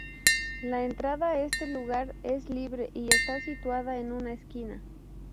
La entrada a este lugar es libre y está situada en una esquina.